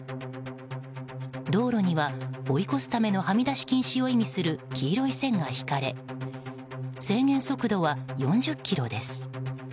道路には、追い越すためのはみ出し禁止を意味する黄色い線が引かれ制限速度は４０キロです。